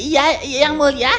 ya yang mulia